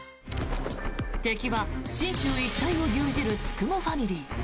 敵は信州一帯を牛耳る九十九ファミリー。